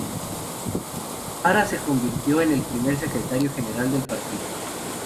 Hara se convirtió en el primer secretario general del partido.